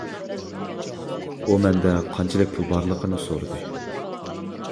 ئۇ مەندە قانچىلىك پۇل بارلىقىنى سورىدى.